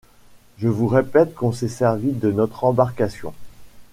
Je vous répète qu’on s’est servi de notre embarcation!